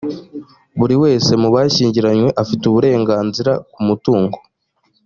buri wese mu bashyingiranywe afite uburenganzira ku mutungo